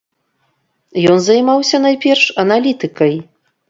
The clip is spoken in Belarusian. Ён займаўся найперш аналітыкай.